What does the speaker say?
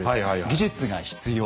技術が必要。